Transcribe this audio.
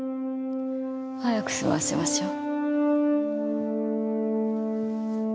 早く済ませましょう。